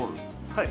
はい。